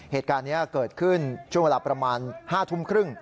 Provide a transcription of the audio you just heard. เหตุการณ์นี้เกิดขึ้นช่วงเวลาประมาณ๕ทุ่มครึ่ง